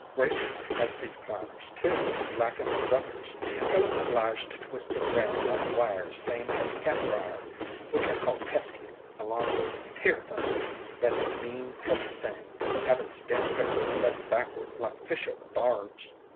Grapes has these climbers too, lackin' the suckers, and so is obliged to twist 'em round like wires same as Catbrier, which I call pesky, along with Tear Thumb, that 's a mean cussed thing, havin' stem prickles set backward like fish hook barbs.